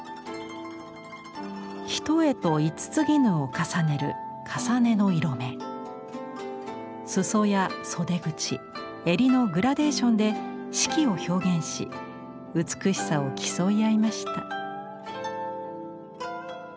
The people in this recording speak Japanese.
単と五衣を重ねる裾や袖口襟のグラデーションで四季を表現し美しさを競い合いました。